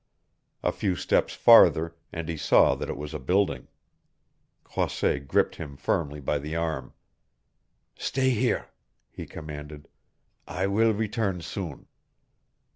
A few steps farther and he saw that it was a building. Croisset gripped him firmly by the arm. "Stay here," he commanded. "I will return soon."